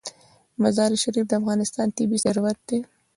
مزارشریف د افغانستان طبعي ثروت دی.